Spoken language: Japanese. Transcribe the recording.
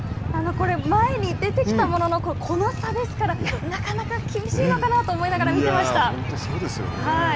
これ、前に出てきたもののこの差ですからなかなか厳しいのかなと思いながら見てました。